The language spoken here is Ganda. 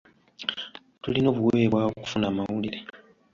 Tulina obuweebwa okufuna amawulire.